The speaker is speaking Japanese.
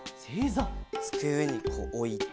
つくえにこうおいて。